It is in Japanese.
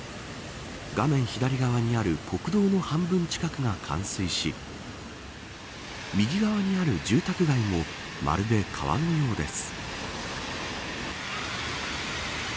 画面左側にある国道の半分近くが冠水し右側にある住宅街もまるで川のようです。